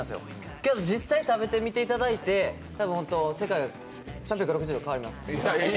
けど実際、食べていただいたらたぶん、世界が３６０度変わります。